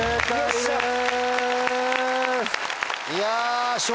いや。